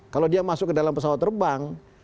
kalau dia masuk ke dalam pesawat terbang